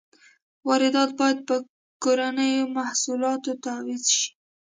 واردات باید په کورنیو محصولاتو تعویض شي.